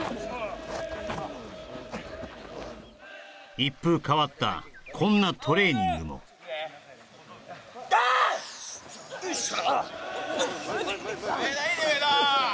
一風変わったこんなトレーニングもダッシュよいしょ